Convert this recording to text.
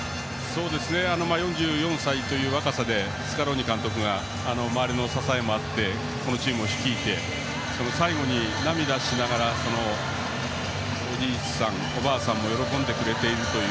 ４４歳という若さでスカローニ監督が周りの支えもあってこのチームを率いて最後に涙しながらおじいさん、おばあさんも喜んでくれているという。